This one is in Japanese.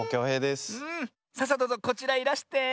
さあさあどうぞこちらいらして。